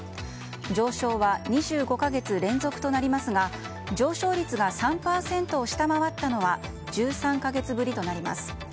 上昇は２５か月連続となりますが上昇率が３％を下回ったのは１３か月ぶりとなります。